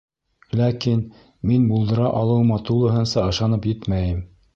Ләкин мин булдыра алыуыма тулыһынса ышанып етмәйем.